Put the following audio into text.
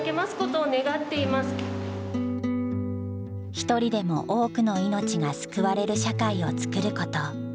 一人でも多くの命が救われる社会をつくること。